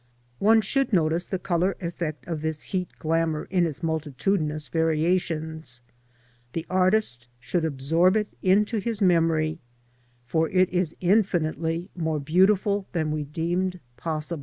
One should notice the colour effect of this heat glamour, in its multitudinous^"" variations. The artist should absorb it into his memory, for it is infinitely more beautiful than we deemed possible.